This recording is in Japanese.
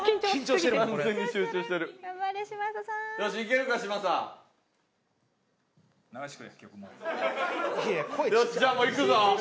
よしじゃあもういくぞ。